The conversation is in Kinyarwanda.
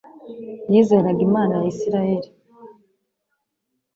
yizeraga Imana ya Isirayeli